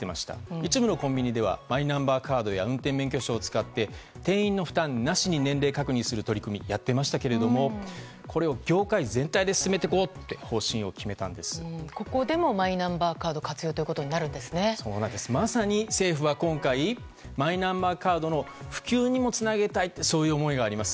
一部のコンビニではマイナンバーカードや運転免許証を使って店員の負担なしに年齢確認する取り組みをやっていましたが、これを業界全体で進めていこうというここでもマイナンバーカードのまさに政府は今回マイナンバーカードの普及にもつなげたいという思いもあります。